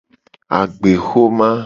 Agbexoma.